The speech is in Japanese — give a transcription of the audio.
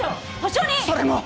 それも！